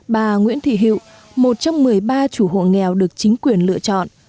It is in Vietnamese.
bà nguyễn thị hiệu một trong một mươi ba chủ hộ nghèo được chính quyền lựa chọn